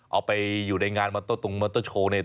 เอาไปอยู่ในงานมอเตอร์ตรงมอเตอร์โชว์เนี่ย